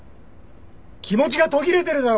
気持ちが途切れてるだろ！